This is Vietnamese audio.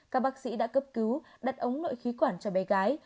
các bác sĩ đã cấp cứu đặt ống nội khí quản cho bé gái